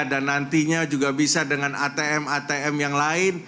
dan nantinya juga bisa dengan atm atm yang lain